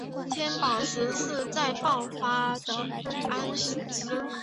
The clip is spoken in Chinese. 天宝十四载爆发了安史之乱。